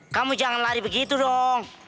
kamu jangan lari begitu dong